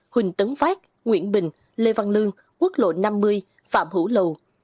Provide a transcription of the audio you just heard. huỳnh tấn phát nguyễn bình lê văn lương quốc lộ năm mươi phạm hữu lầu